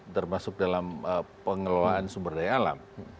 termasuk dalam pengelolaan sumber daya alam